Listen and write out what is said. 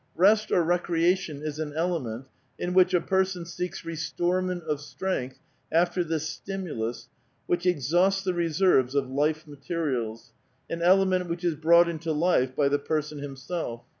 Rest or recreation is an element in which a person seeks restorement of strength after this stimulus which exhausts the reserves of life materials — an element which is brought into life by the person himself.